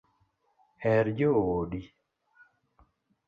Her joodi